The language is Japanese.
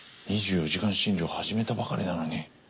２４時間診療始めたばかりなのに。